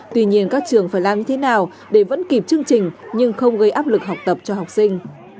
tuy nhiên các trường phải làm như thế nào để vẫn kịp chương trình nhưng không gây áp lực học tập cho học sinh